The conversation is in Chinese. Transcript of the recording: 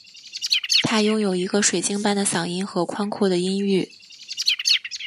她拥有一个水晶般的嗓音和宽阔的音域。